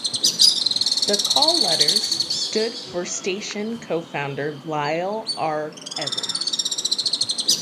The call letters stood for station co-founder Lyle R. Evans.